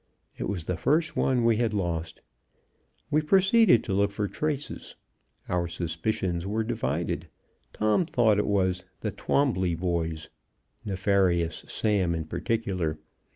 It was the first one we had lost. We proceeded to look for traces. Our suspicions were divided. Tom thought it was "the Twombly boys," nefarious Sam in particular.